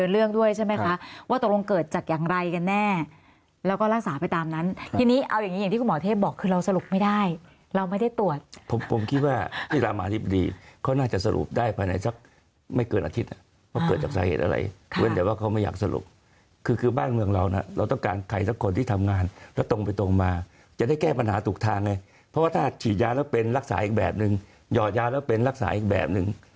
เอาอย่างนี้อย่างที่คุณหมอเทพบอกคือเราสรุปไม่ได้เราไม่ได้ตรวจผมคิดว่าที่รามาธิบดีเขาน่าจะสรุปได้ภายในสักไม่เกินอาทิตย์นะเพราะเกิดจากสาเหตุอะไรเพราะว่าเขาไม่อยากสรุปคือคือบ้านเมืองเรานะเราต้องการใครสักคนที่ทำงานแล้วตรงไปตรงมาจะได้แก้ปัญหาถูกทางไงเพราะว่าถ้าฉีดยาแล้วเป็นรักษาอีกแบบ